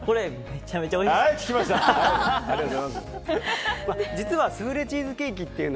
めちゃくちゃおいしい！